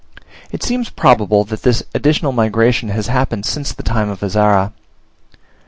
It seems probable that this additional migration has happened since the time of Azara.